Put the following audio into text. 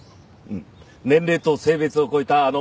年齢と性別を超えたあの友情の事か？